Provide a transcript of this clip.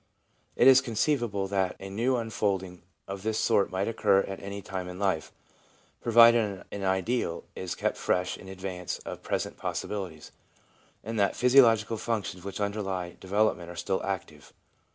It is conceivable that a 'new unfolding* of this sort might occur at any time in life, provided an ideal is kept fresh in advance of present possibilities, and that the physiological functions which underlie development are still active.